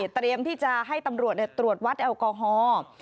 เตรียมที่จะให้ตำรวจตรวจวัดแอลกอฮอล์